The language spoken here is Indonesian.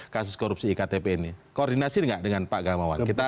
kasus korupsi iktp ini koordinasi tidak dengan pak gamawan